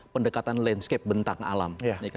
pendekatan landscape bentang alam